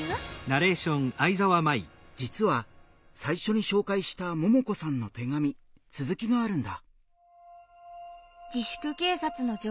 じつは最初に紹介したももこさんの手紙続きがあるんだ。